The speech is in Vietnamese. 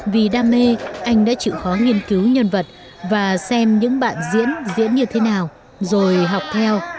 vì đam mê anh đã chịu khó nghiên cứu nhân vật và xem những bạn diễn diễn như thế nào rồi học theo